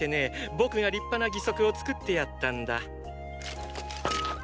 僕が立派な義足を作ってやったんだ。